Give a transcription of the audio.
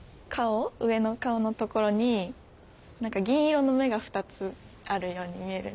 上の顔の所に何か銀色の目が２つあるように見えるんですけど。